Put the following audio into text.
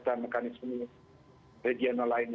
serta mekanisme regional lainnya